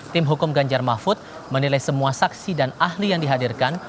tim hukum ganjar mahfud menilai semua saksi dan ahli yang dihadirkan